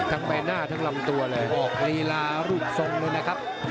ใบหน้าทั้งลำตัวเลยออกลีลารูปทรงเลยนะครับ